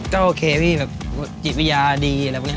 ก็โอเคพี่แบบจิตวิญญาณดีอะไรพวกนี้